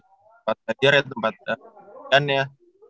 tempat belajar ya tempatnya